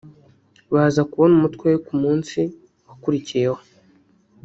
baza kubona umutwe we ku munsi wakurikiyeho